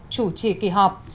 chủ trì kỳ họp